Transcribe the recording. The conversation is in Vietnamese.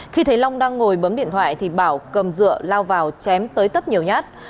khi thấy long đang ngồi bấm điện thoại thì bảo cầm dựa lao vào chém tới tấp nhiều nhát